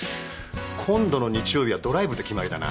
今度の日曜日はドライブで決まりだな。